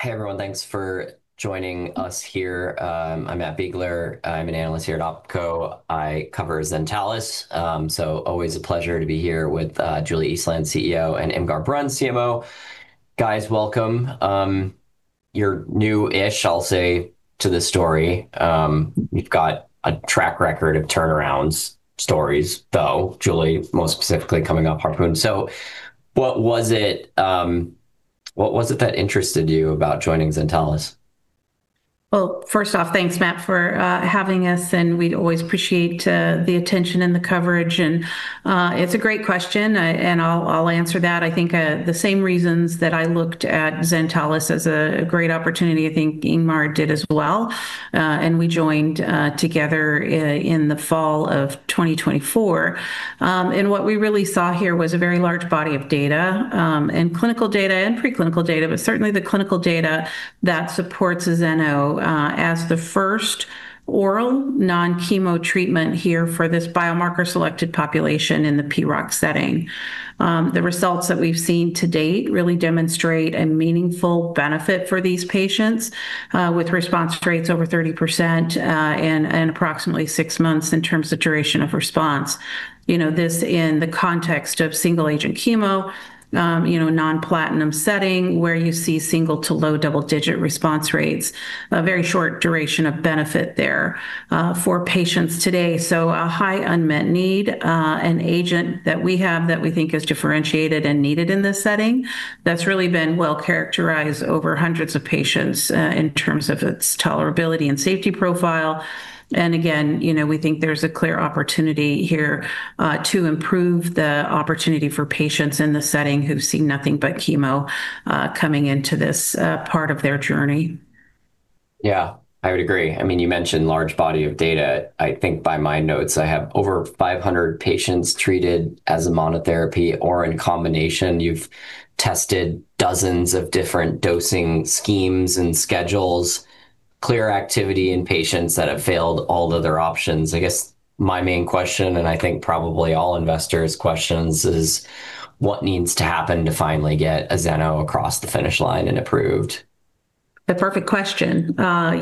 Hey, everyone. Thanks for joining us here. I'm Matthew B. Biegler. I'm an analyst here at Opko. I cover Zentalis. Always a pleasure to be here with Julie Eastland, CEO, and Ingmar Bruns, CMO. Guys, welcome. You're new-ish, I'll say, to this story. You've got a track record of turnarounds stories, though, Julie, most specifically coming up, Harpoon. What was it that interested you about joining Zentalis? Well, first off, thanks, Matt, for having us, and we always appreciate the attention and the coverage. It's a great question, and I'll answer that. I think the same reasons that I looked at Zentalis as a great opportunity, I think Ingmar did as well, and we joined together in the fall of 2024. What we really saw here was a very large body of data, clinical data and preclinical data, but certainly the clinical data that supports azenosertib as the first oral non-chemo treatment here for this biomarker-selected population in the PROC setting. The results that we've seen to date really demonstrate a meaningful benefit for these patients with response rates over 30% and approximately six months in terms of duration of response. You know, this in the context of single-agent chemo, you know, non-platinum setting, where you see single to low double-digit response rates, a very short duration of benefit there for patients today. A high unmet need, an agent that we have that we think is differentiated and needed in this setting, that's really been well-characterized over hundreds of patients in terms of its tolerability and safety profile. Again, you know, we think there's a clear opportunity here to improve the opportunity for patients in this setting who've seen nothing but chemo coming into this part of their journey. I would agree. I mean, you mentioned large body of data. I think by my notes, I have over 500 patients treated as a monotherapy or in combination. You've tested dozens of different dosing schemes and schedules, clear activity in patients that have failed all other options. I guess my main question, and I think probably all investors' questions, is: What needs to happen to finally get azenosertib across the finish line and approved? A perfect question,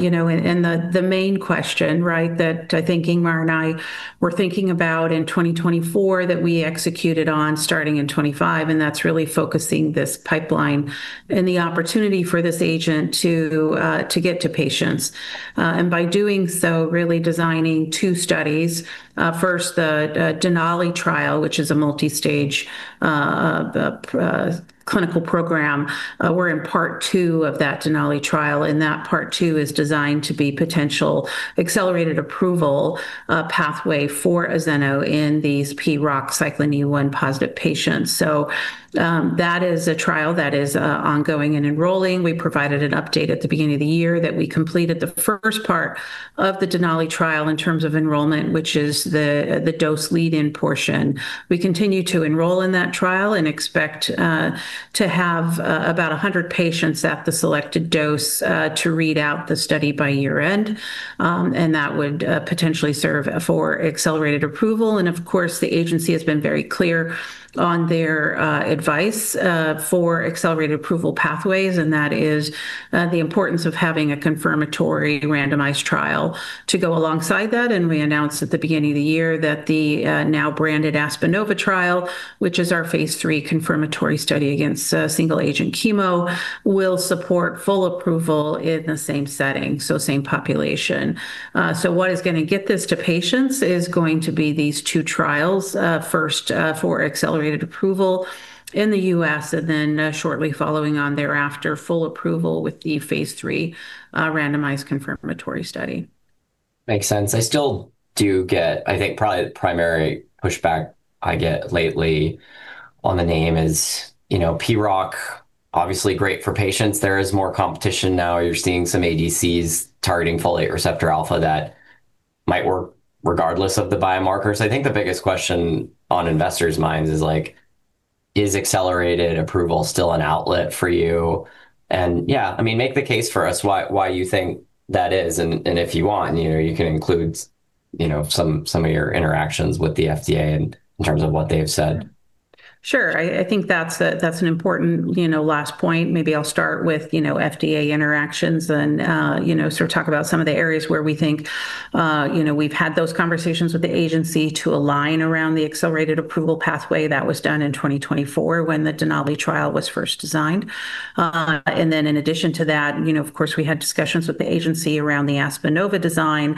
you know, and the main question, right, that I think Ingmar and I were thinking about in 2024, that we executed on starting in 2025, That's really focusing this pipeline and the opportunity for this agent to get to patients. By doing so, really designing two studies. First, the DENALI trial, which is a multi-stage clinical program. We're in Part two of that DENALI trial, That Part two is designed to be potential accelerated approval pathway for azenosertib in these PROTAC Cyclin E1-positive patients. That is a trial that is ongoing and enrolling. We provided an update at the beginning of the year that we completed the first part of the DENALI trial in terms of enrollment, which is the dose lead-in portion. We continue to enroll in that trial and expect to have about 100 patients at the selected dose to read out the study by year-end, and that would potentially serve for accelerated approval. Of course, the agency has been very clear on their advice for accelerated approval pathways, and that is the importance of having a confirmatory randomized trial to go alongside that. We announced at the beginning of the year that the now-branded ASPENOVA trial, which is our phase III confirmatory study against single-agent chemo, will support full approval in the same setting, so same population. What is going to get this to patients is going to be these two trials, first, for accelerated approval in the U.S., and then, shortly following on thereafter, full approval with the phase III, randomized confirmatory study. Makes sense. I still do get-- I think probably the primary pushback I get lately on the name is, you know, PROTAC, obviously great for patients. There is more competition now. You're seeing some ADCs targeting Folate receptor alpha that might work regardless of the biomarkers. I think the biggest question on investors' minds is, like: Is accelerated approval still an outlet for you? Yeah, I mean, make the case for us why you think that is, and if you want, you know, you can include, you know, some of your interactions with the FDA in terms of what they have said. Sure. I think that's a, that's an important, you know, last point. Maybe I'll start with, you know, FDA interactions and, you know, sort of talk about some of the areas where we think, you know, we've had those conversations with the agency to align around the accelerated approval pathway that was done in 2024 when the DENALI trial was first designed. In addition to that, you know, of course, we had discussions with the agency around the ASPENOVA design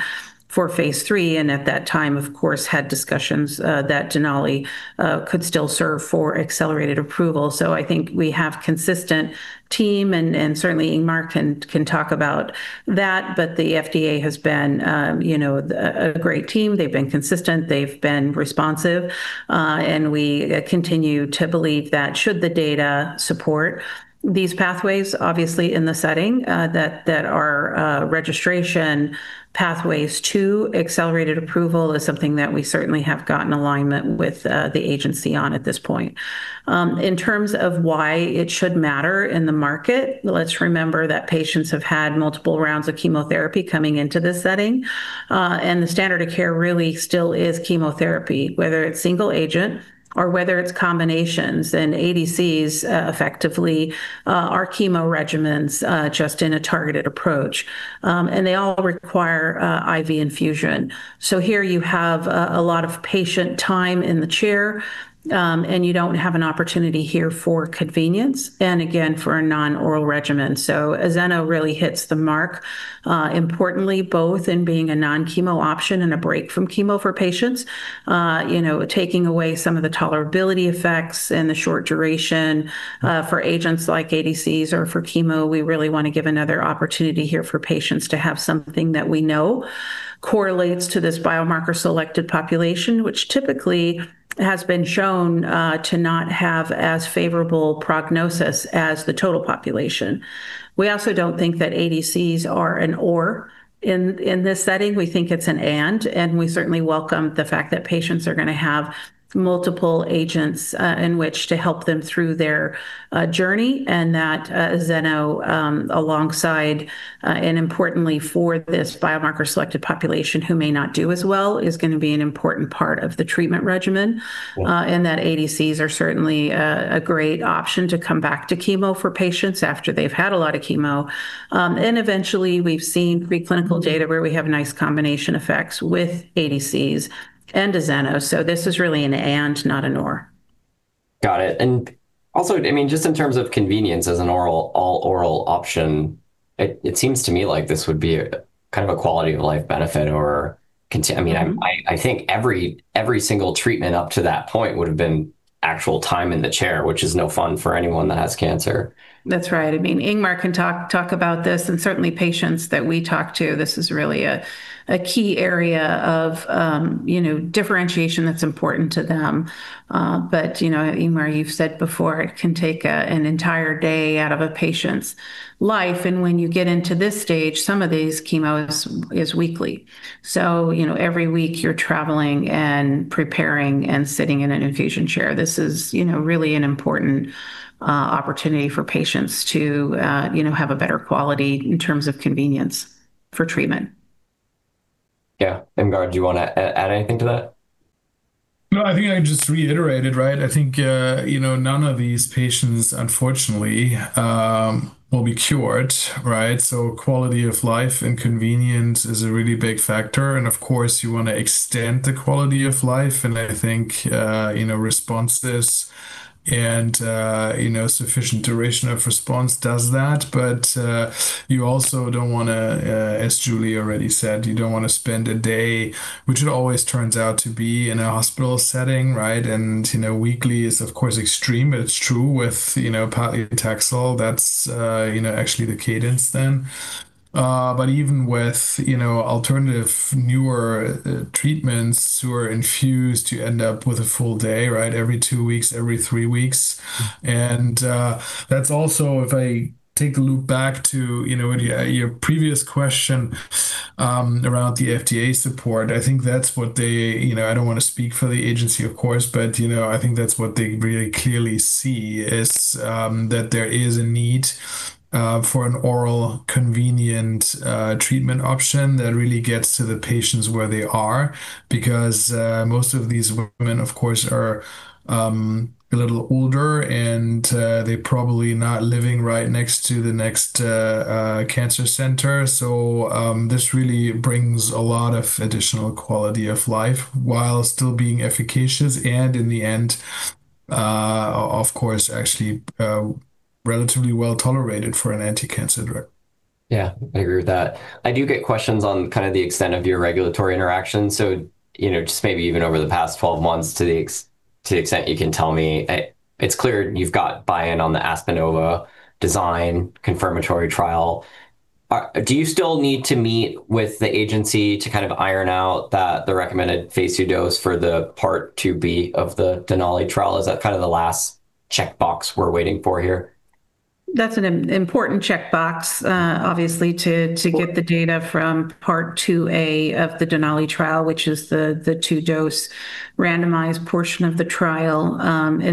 for Phase III, and at that time, of course, had discussions that DENALI could still serve for accelerated approval. I think we have consistent team, and certainly Ingmar can talk about that, but the FDA has been, you know, a great team. They've been consistent, they've been responsive, we continue to believe that should the data support these pathways, obviously, in the setting, that are registration pathways to accelerated approval is something that we certainly have got in alignment with the agency on at this point. In terms of why it should matter in the market, let's remember that patients have had multiple rounds of chemotherapy coming into this setting, the standard of care really still is chemotherapy, whether it's single agent or whether it's combinations, and ADCs effectively are chemo regimens just in a targeted approach. They all require IV infusion. Here you have a lot of patient time in the chair, and you don't have an opportunity here for convenience, and again, for a non-oral regimen. azenosertib really hits the mark, importantly, both in being a non-chemo option and a break from chemo for patients, you know, taking away some of the tolerability effects and the short duration. For agents like ADCs or for chemo, we really want to give another opportunity here for patients to have something that we know correlates to this biomarker-selected population, which typically has been shown to not have as favorable prognosis as the total population. We also don't think that ADCs are an or in this setting. We think it's an and we certainly welcome the fact that patients are gonna have multiple agents in which to help them through their journey, and that azenosertib alongside, and importantly for this biomarker-selected population who may not do as well, is gonna be an important part of the treatment regimen. That ADCs are certainly a great option to come back to chemo for patients after they've had a lot of chemo. Eventually, we've seen preclinical data where we have nice combination effects with ADCs and azenosertib. This is really an and, not an or. Got it. I mean, just in terms of convenience, as an oral, all-oral option, it seems to me like this would be a kind of a quality-of-life benefit. I mean, I think every single treatment up to that point would've been actual time in the chair, which is no fun for anyone that has cancer. That's right. I mean, Ingmar can talk about this, and certainly patients that we talk to, this is really a key area of, you know, differentiation that's important to them. You know, Ingmar, you've said before, it can take an entire day out of a patient's life, and when you get into this stage, some of these chemo is weekly. You know, every week you're traveling and preparing and sitting in an infusion chair. This is, you know, really an important opportunity for patients to, you know, have a better quality in terms of convenience for treatment. Yeah. Ingmar, do you wanna add anything to that? I think I just reiterated, right? You know, none of these patients, unfortunately, will be cured, right? Quality of life and convenience is a really big factor, of course, you wanna extend the quality of life. I think, you know, responses and, you know, sufficient duration of response does that. You also don't wanna, as Julie already said, you don't wanna spend a day, which it always turns out to be in a hospital setting, right? You know, weekly is, of course, extreme, but it's true with, you know, paclitaxel. That's, you know, actually the cadence then. Even with, you know, alternative, newer, treatments who are infused, you end up with a full day, right? Every two weeks, every three weeks. That's also, if I take a loop back to, you know, your previous question, around the FDA support, I think that's what they... You know, I don't wanna speak for the agency, of course, but, you know, I think that's what they really clearly see is that there is a need for an oral, convenient, treatment option that really gets to the patients where they are. Most of these women, of course, are a little older, and they're probably not living right next to the next cancer center. This really brings a lot of additional quality of life while still being efficacious, and in the end, of course, actually, relatively well-tolerated for an anticancer drug. Yeah, I agree with that. I do get questions on kind of the extent of your regulatory interaction. You know, just maybe even over the past 12 months, to the extent you can tell me, it's clear you've got buy-in on the ASPENOVA design confirmatory trial. Do you still need to meet with the agency to kind of iron out the recommended Phase II dose for the Part 2B of the DENALI trial? Is that kind of the last checkbox we're waiting for here? That's an important checkbox, obviously, to get the data from Part 2A of the DENALI trial, which is the 2-dose randomized portion of the trial.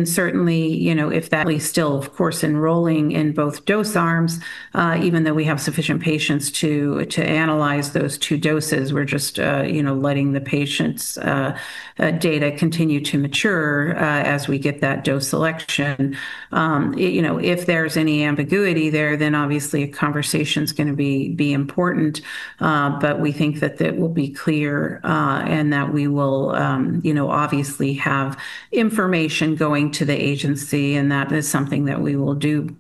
Certainly, you know, if that is still, of course, enrolling in both dose arms, even though we have sufficient patients to analyze those two doses, we're just, you know, letting the patients' data continue to mature, as we get that dose selection. You know, if there's any ambiguity there, then obviously a conversation's gonna be important, but we think that that will be clear, and that we will, you know, obviously have information going to the agency, and that is something that we will do,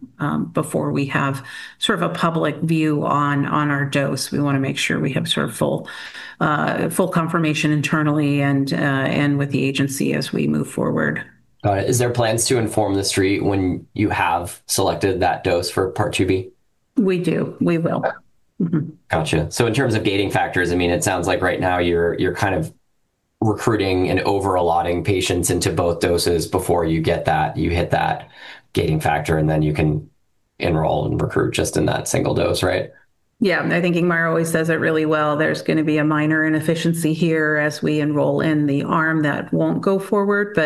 before we have sort of a public view on our dose. We wanna make sure we have sort of full confirmation internally and with the agency as we move forward. Is there plans to inform the street when you have selected that dose for Part 2B? We do. We will. Gotcha. In terms of gating factors, I mean, it sounds like right now you're kind of recruiting and over allotting patients into both doses before you hit that gating factor, and then you can enroll and recruit just in that single dose, right? Yeah. I think Ingmar always says it really well. There's gonna be a minor inefficiency here as we enroll in the arm that won't go forward.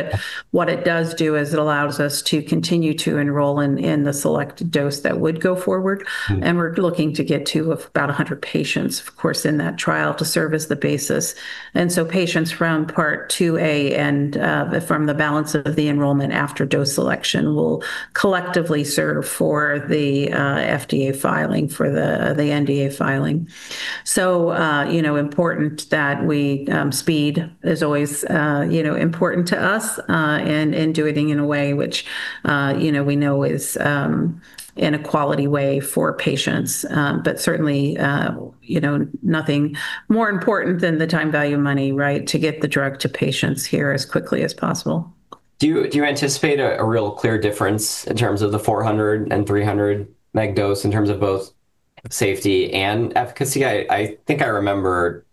What it does do is it allows us to continue to enroll in the select dose that would go forward, we're looking to get to about 100 patients, of course, in that trial, to serve as the basis. Patients from Part 2A and from the balance of the enrollment after dose selection will collectively serve for the FDA filing, for the NDA filing. Important that we, you know, speed is always, you know, important to us, and doing it in a way which, you know, we know is in a quality way for patients. Certainly, you know, nothing more important than the time value of money, right? To get the drug to patients here as quickly as possible. Do you anticipate a real clear difference in terms of the 400 and 300 mg dose in terms of both safety and efficacy? I think I remember,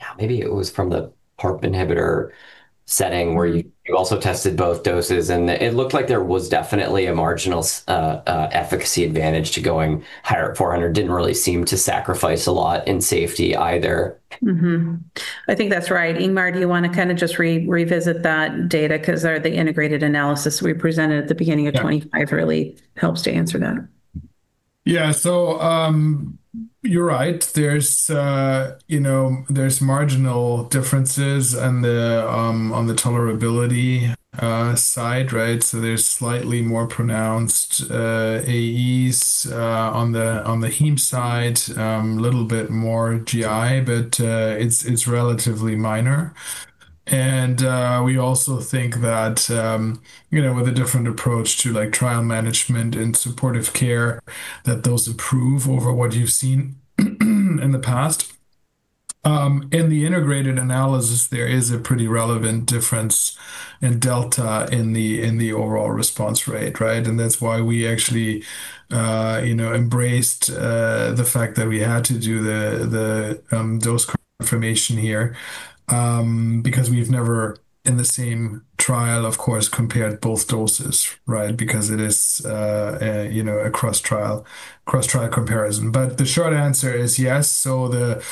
yeah, maybe it was from the PARP inhibitor setting, where you also tested both doses, and it looked like there was definitely a marginal efficacy advantage to going higher at 400. Didn't really seem to sacrifice a lot in safety either. I think that's right. Ingmar, do you wanna kinda just revisit that data? 'Cause, the integrated analysis we presented at the beginning of 2025. Yeah really helps to answer that. You're right. There's, you know, marginal differences on the tolerability side, right? There's slightly more pronounced AEs on the heme side, a little bit more GI, but it's relatively minor. We also think that, you know, with a different approach to, like, trial management and supportive care, that those improve over what you've seen in the past. In the integrated analysis, there is a pretty relevant difference in delta in the overall response rate, right? That's why we actually, you know, embraced the fact that we had to do the dose confirmation here, because we've never, in the same trial, of course, compared both doses, right? Because it is, a, you know, a cross-trial comparison. The short answer is yes. The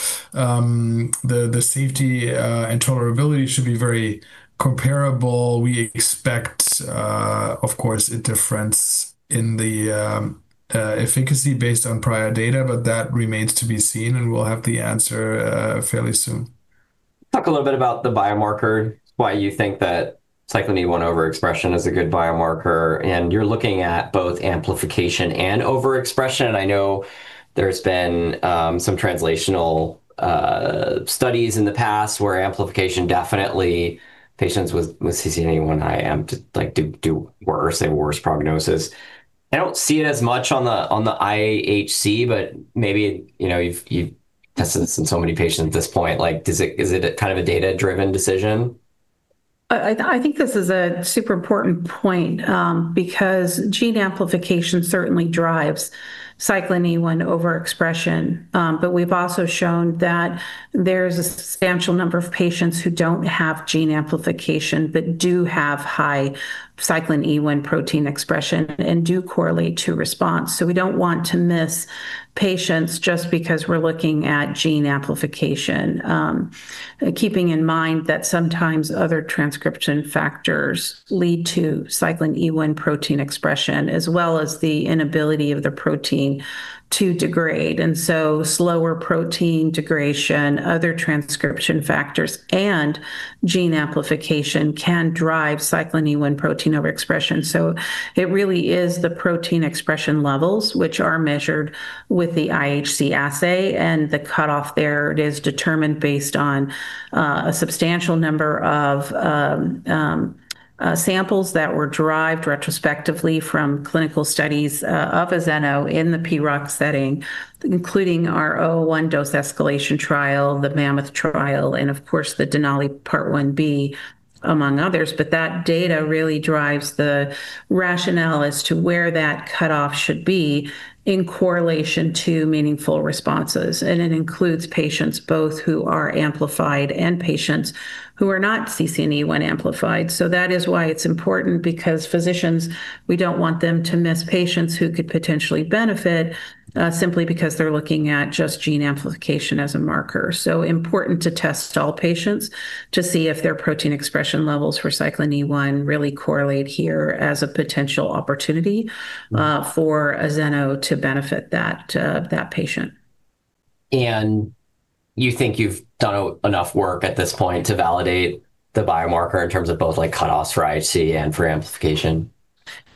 safety and tolerability should be very comparable. We expect, of course, a difference in the efficacy based on prior data, but that remains to be seen, and we'll have the answer fairly soon. Talk a little bit about the biomarker, why you think that Cyclin E1 overexpression is a good biomarker, and you're looking at both amplification and overexpression. I know there's been some translational studies in the past where amplification, definitely patients with CCNE1 high amp, like, do worse, a worse prognosis. I don't see it as much on the IHC, but maybe, you know, you've tested this in so many patients at this point, like, is it a kind of a data-driven decision? I think this is a super important point, because gene amplification certainly drives Cyclin E1 overexpression. But we've also shown that there's a substantial number of patients who don't have gene amplification, but do have high Cyclin E1 protein expression and do correlate to response. We don't want to miss patients just because we're looking at gene amplification. Keeping in mind that sometimes other transcription factors lead to Cyclin E1 protein expression, as well as the inability of the protein to degrade, slower protein degradation, other transcription factors, and gene amplification can drive Cyclin E1 protein overexpression. It really is the protein expression levels, which are measured with the IHC assay, and the cutoff there is determined based on a substantial number of samples that were derived retrospectively from clinical studies of azenosertib in the PROC setting, including our ZN-c3-001 dose escalation trial, the MAMMOTH trial, and of course, the DENALI among others, but that data really drives the rationale as to where that cutoff should be in correlation to meaningful responses, and it includes patients both who are amplified and patients who are not CCNE1 when amplified. That is why it's important, because physicians, we don't want them to miss patients who could potentially benefit simply because they're looking at just gene amplification as a marker. Important to test all patients to see if their protein expression levels for Cyclin E1 really correlate here as a potential opportunity for azenosertib to benefit that patient. You think you've done enough work at this point to validate the biomarker in terms of both, like, cutoffs for IHC and for amplification?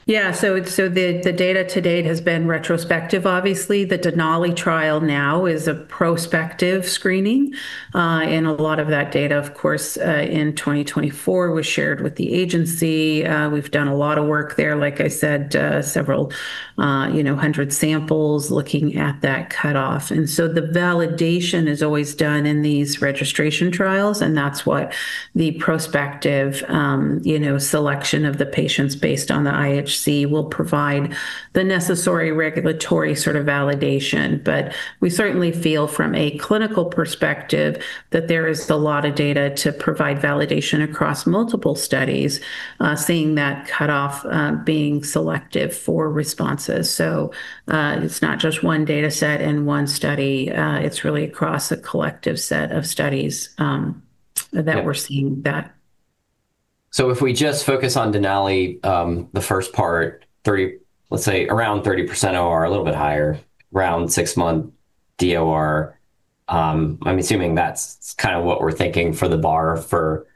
Yeah. The data to date has been retrospective, obviously. The DENALI trial now is a prospective screening, and a lot of that data, of course, in 2024, was shared with the FDA. We've done a lot of work there, like I said, several, you know, 100 samples looking at that cutoff. The validation is always done in these registration trials, and that's what the prospective, you know, selection of the patients based on the IHC will provide the necessary regulatory sort of validation. We certainly feel from a clinical perspective, that there is a lot of data to provide validation across multiple studies, seeing that cutoff, being selective for responses. It's not just one data set and one study, it's really across a collective set of studies that we're seeing that. If we just focus on DENALI, the first part, let's say around 30% ORR, a little bit higher, around six month DOR, I'm assuming that's kind of what we're thinking for the bar for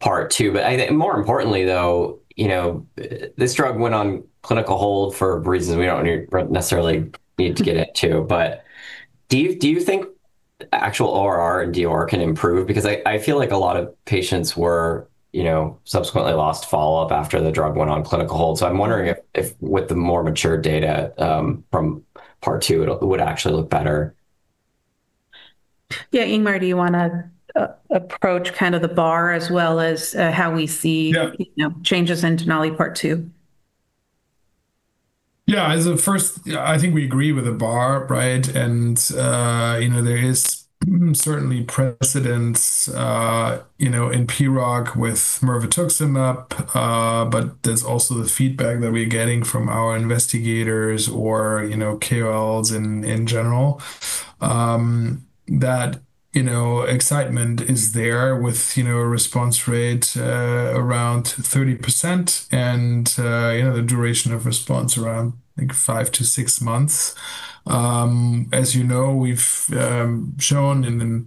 part two. More importantly, though, you know, this drug went on clinical hold for reasons we don't necessarily need to get into. Do you think actual ORR and DOR can improve? Because I feel like a lot of patients were, you know, subsequently lost follow-up after the drug went on clinical hold. I'm wondering if with the more mature data from part two, it would actually look better. Yeah. Ingmar, do you want to approach kind of the bar as well as how we see. Yeah. - you know, changes in DENALI part two? Yeah. As a first, I think we agree with the bar, right? You know, there is certainly precedence, you know, in PROC with mirvetuximab, but there's also the feedback that we're getting from our investigators or, you know, KOLs in general. That, you know, excitement is there with, you know, a response rate around 30% and, you know, the duration of response around, I think, five to six months. As you know, we've shown in an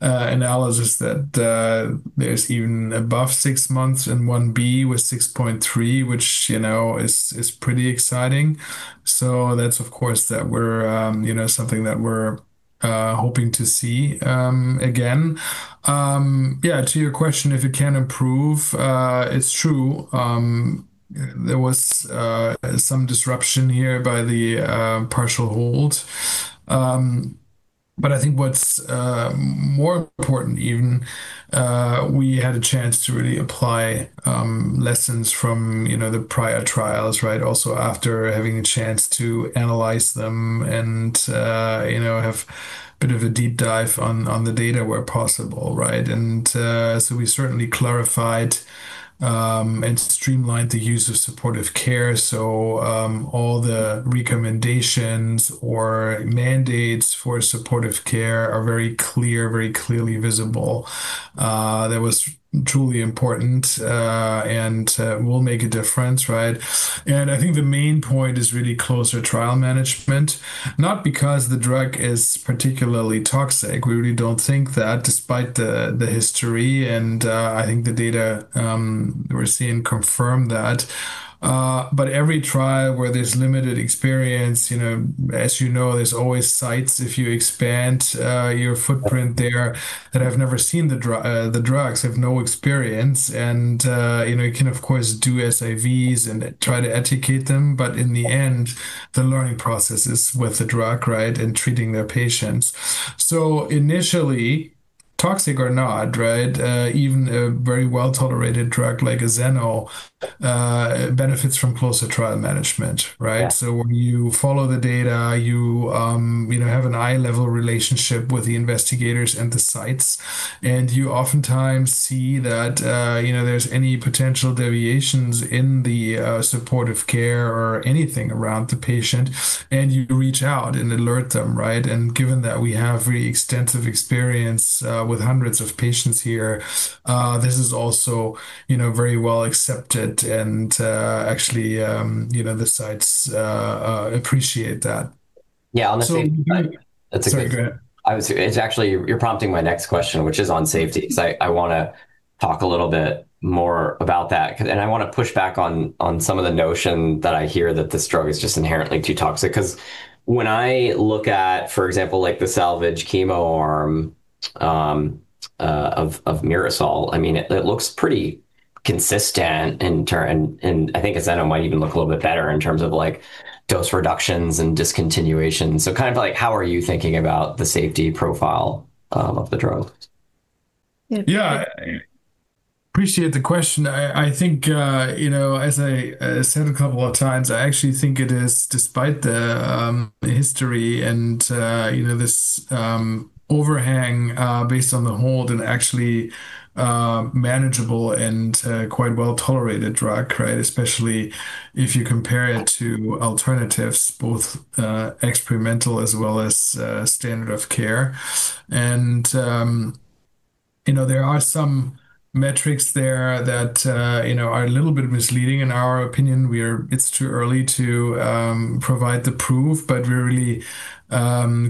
analysis that there's even above six months in 1B with 6.3, which, you know, is pretty exciting. That's, of course, that we're, you know, something that we're hoping to see again. Yeah, to your question, if it can improve, it's true. There was some disruption here by the partial hold. But I think what's more important even, we had a chance to really apply lessons from, you know, the prior trials, right? Also, after having a chance to analyze them and, you know, have a bit of a deep dive on the data where possible, right? So we certainly clarified and streamlined the use of supportive care. All the recommendations or mandates for supportive care are very clear, very clearly visible. That was truly important and will make a difference, right? I think the main point is really closer trial management, not because the drug is particularly toxic. We really don't think that, despite the history, and I think the data we're seeing confirm that. Every trial where there's limited experience, you know, as you know, there's always sites, if you expand your footprint there, that I've never seen the drugs, have no experience, and, you know, you can, of course, do SAEs and try to educate them, but in the end, the learning process is with the drug, right? Treating their patients. Initially, toxic or not, right, even a very well-tolerated drug like azenosertib benefits from closer trial management, right? Yeah. When you follow the data, you know, have an eye-level relationship with the investigators and the sites, and you oftentimes see that, you know, there's any potential deviations in the supportive care or anything around the patient, and you reach out and alert them, right? Given that we have very extensive experience with hundreds of patients here, this is also, you know, very well accepted. Actually, you know, the sites, appreciate that. Yeah, honestly. So, uh- It's a great- Sorry, go ahead. I would say, it's actually, you're prompting my next question, which is on safety. I wanna talk a little bit more about that, cause and I wanna push back on some of the notion that I hear that this drug is just inherently too toxic. Cause when I look at, for example, like the salvage chemo arm of MIRASOL, I mean, it looks pretty consistent in, I think as I know, might even look a little bit better in terms of like dose reductions and discontinuation. Kind of like how are you thinking about the safety profile of the drug? Yeah, I appreciate the question. I think, you know, as I said a couple of times, I actually think it is despite the history and, you know, this overhang based on the hold and actually manageable and quite well-tolerated drug, right? Especially if you compare it to alternatives, both experimental as well as standard of care. You know, there are some metrics there that, you know, are a little bit misleading in our opinion. It's too early to provide the proof, but we're really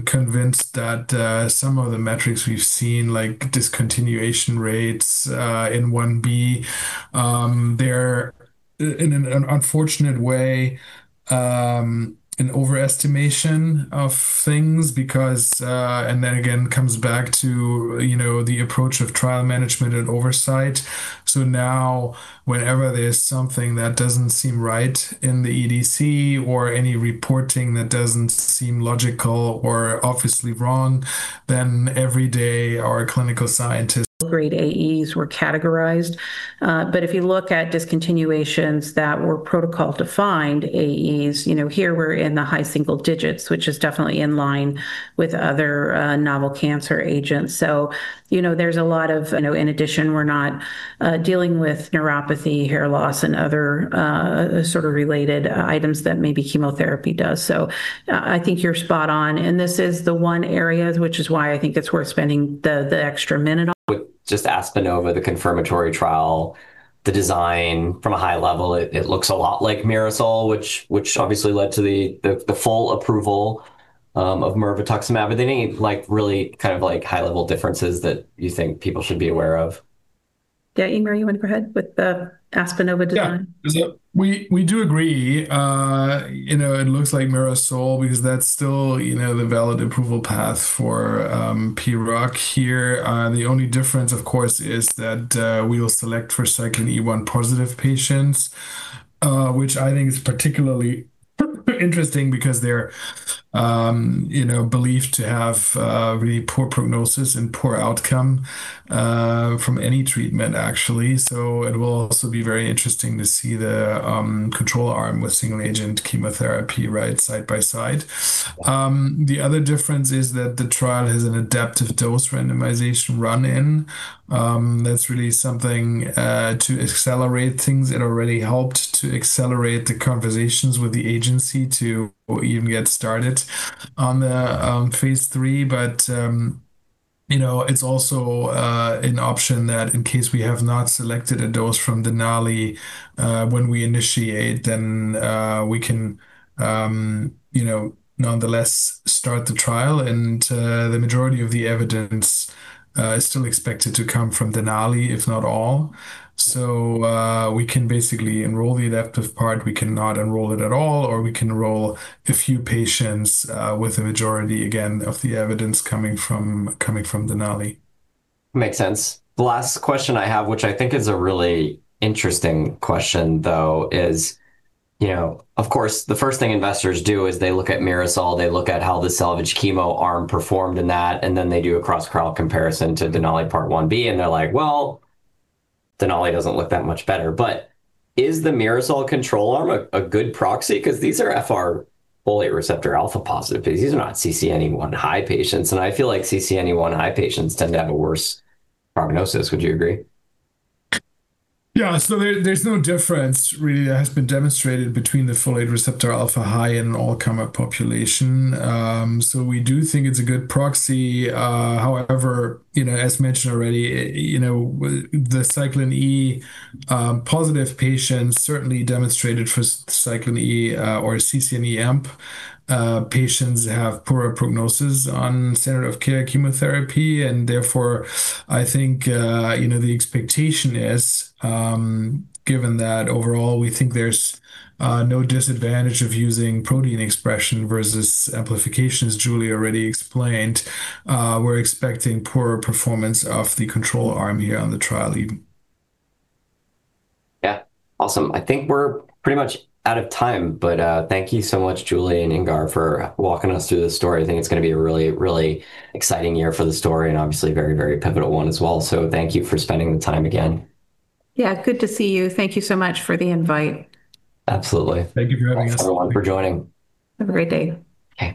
convinced that some of the metrics we've seen, like discontinuation rates, in one B, they're in an unfortunate way, an overestimation of things because. Then again, comes back to, you know, the approach of trial management and oversight. Now, whenever there's something that doesn't seem right in the EDC or any reporting that doesn't seem logical or obviously wrong, every day our clinical scientists. Grade AEs were categorized. If you look at discontinuations that were protocol-defined AEs, you know, here we're in the high single digits, which is definitely in line with other novel cancer agents. You know, there's a lot of, you know, in addition, we're not dealing with neuropathy, hair loss, and other sort of related items that maybe chemotherapy does. I think you're spot on, and this is the one area, which is why I think it's worth spending the extra minute on. With just Aspenova, the confirmatory trial, the design from a high level, it looks a lot like Mirasol, which obviously led to the full approval, of mirvetuximab. Any, like, really kind of like high-level differences that you think people should be aware of? Yeah, Ingmar, you want to go ahead with the ASPENOVA design? Yeah. We do agree. You know, it looks like MIRASOL because that's still, you know, the valid approval path for PROC here. The only difference, of course, is that we will select for Cyclin E1 positive patients, which I think is particularly interesting because they're, you know, believed to have really poor prognosis and poor outcome from any treatment, actually. It will also be very interesting to see the control arm with single agent chemotherapy, right, side by side. The other difference is that the trial has an adaptive dose randomization run in. That's really something to accelerate things. It already helped to accelerate the conversations with the agency to even get started on the phase III. you know, it's also an option that in case we have not selected a dose from DENALI, when we initiate, then we can, you know, nonetheless start the trial. The majority of the evidence is still expected to come from DENALI, if not all. We can basically enroll the adaptive part, we cannot enroll it at all, or we can enroll a few patients with the majority, again, of the evidence coming from DENALI. Makes sense. The last question I have, which I think is a really interesting question, though, is, you know, of course, the first thing investors do is they look at MIRASOL, they look at how the salvage chemo arm performed in that, and then they do a cross-trial comparison to DENALI Part 1B, and they're like, "Well, DENALI doesn't look that much better." Is the MIRASOL control arm a good proxy? These are FR Folate receptor alpha positive. These are not CCNE1 high patients, and I feel like CCNE1 high patients tend to have a worse prognosis. Would you agree? Yeah. There's no difference really that has been demonstrated between the Folate receptor alpha high and all comer population. We do think it's a good proxy. However, you know, as mentioned already, you know, with the Cyclin E positive patients certainly demonstrated for Cyclin E or CCNE amp patients have poorer prognosis on center of care chemotherapy. Therefore, I think, you know, the expectation is, given that overall, we think there's no disadvantage of using protein expression versus amplification, as Julie already explained, we're expecting poorer performance of the control arm here on the trial even. Yeah. Awesome. I think we're pretty much out of time, but thank you so much, Julie and Ingmar, for walking us through this story. I think it's gonna be a really, really exciting year for the story, and obviously a very, very pivotal one as well. Thank you for spending the time again. Yeah, good to see you. Thank you so much for the invite. Absolutely. Thank you for having us. Thanks, everyone, for joining. Have a great day. Thanks.